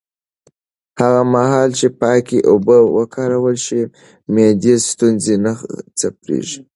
هغه مهال چې پاکې اوبه وکارول شي، معدي ستونزې نه خپرېږي.